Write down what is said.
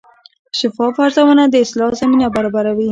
شفاف ارزونه د اصلاح زمینه برابروي.